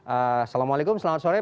assalamualaikum selamat sore